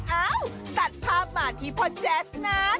เอ้าตัดภาพมาที่พ่อแจ๊สนะ